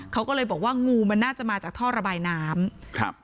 เขาก็เลยบอกว่างูมันน่าจะมาจากท่อระบายน้ำครับ